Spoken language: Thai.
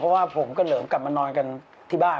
เพราะว่าผมก็เหลิมกลับมานอนกันที่บ้าน